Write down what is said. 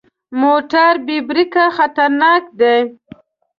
موټر بې بریکه خطرناک دی.